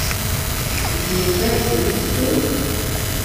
igihe cyahise ntikigaruka